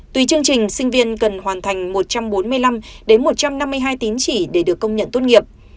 tùy chương trình sinh viên cần hoàn thành một trăm bốn mươi năm một trăm năm mươi hai tín chỉ để được công nhận tốt nghiệp